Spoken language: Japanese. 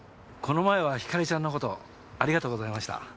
この前はひかりちゃんのことありがとうございました。